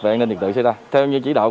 về an ninh trật tự xây ra theo như chỉ đạo